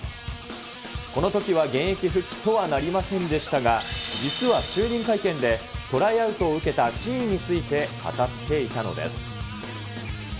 このときは現役復帰とはなりませんでしたが、実は就任会見で、トライアウトを受けた真意について語っていたのです。